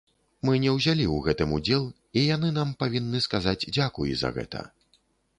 Мы не ўзялі ў гэтым удзел, і яны нам павінны сказаць дзякуй за гэта.